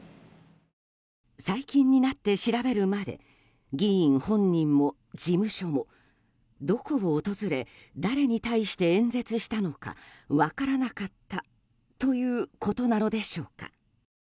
最近になって調べるまで議員本人も、事務所もどこを訪れ誰に対して演説したのか分からなかったということなのでしょうか。